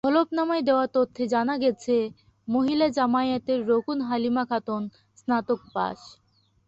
হলফনামায় দেওয়া তথ্যে জানা গেছে, মহিলা জামায়াতের রুকন হালিমা খাতুন স্নাতক পাস।